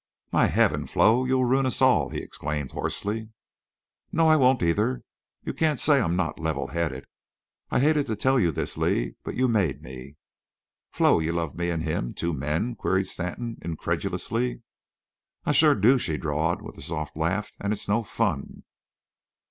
"My Heaven! Flo—you'll ruin us all!" he exclaimed, hoarsely. "No, I won't either. You can't say I'm not level headed. I hated to tell you this, Lee, but you made me." "Flo, you love me an' him—two men?" queried Stanton, incredulously. "I shore do," she drawled, with a soft laugh. "And it's no fun."